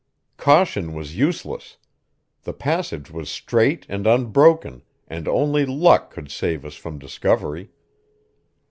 Caution was useless; the passage was straight and unbroken and only luck could save us from discovery.